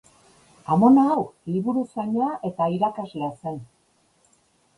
Amona hau liburuzaina eta irakaslea zen.